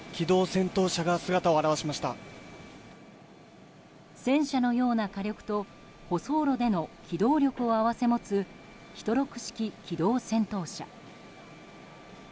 戦車のような火力と舗装路での機動力を併せ持つ１６式機動戦闘車。